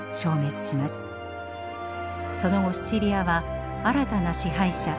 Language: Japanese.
その後シチリアは新たな支配者